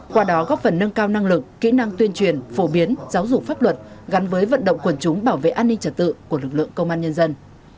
qua đó góp phần nâng cao năng lực kỹ năng tuyên truyền phổ biến giáo dục pháp luật gắn với vận động quần chúng bảo vệ an ninh trật tự của lực lượng công an nhân dân